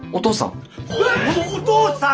おお父さん！